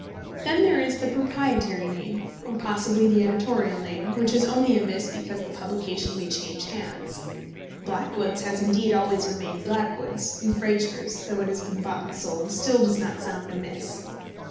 Then there is the proprietary name, or possibly the editorial name, which is only amiss because the publication may change hands. Blackwood's has indeed always remained Blackwood's, and Fraser's, though it has been bought and sold, still does not sound amiss.